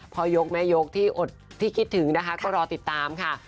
พอยกไหมยกที่คิดถึงนะคะก็รอติดตามค่ะ